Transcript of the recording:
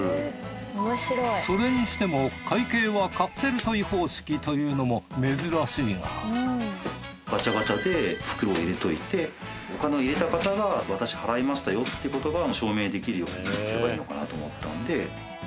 それにしても会計はカプセルトイ方式というのも珍しいがガチャガチャで袋を入れておいてお金を入れた方が私払いましたよってことが証明できるようにするほうがいいのかなと思ったんで。